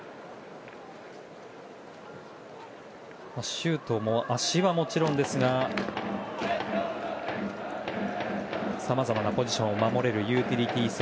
周東も足はもちろんですがさまざまなポジションを守れるユーティリティー性。